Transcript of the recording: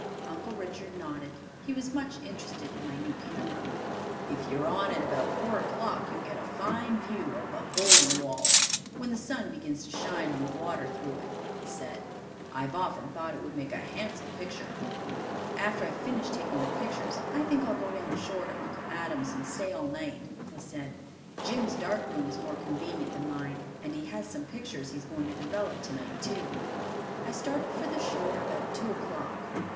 Uncle Richard nodded. He was much interested in my new camera. "If you're on it about four o'clock, you'll get a fine view of the 'Hole in the Wall' when the sun begins to shine on the water through it," he said. "I've often thought it would make a handsome picture." "After I've finished taking the pictures, I think I'll go down shore to Uncle Adam's and stay all night," I said. "Jim's dark room is more convenient than mine, and he has some pictures he is going to develop tonight, too." I started for the shore about two o'clock.